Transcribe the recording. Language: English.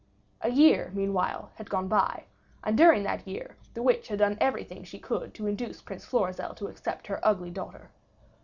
A year, meanwhile, had gone by, and during that year the witch had done everything she could to induce Prince Florizel to accept her ugly daughter.